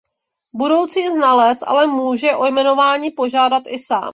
Budoucí znalec ale může o jmenování požádat i sám.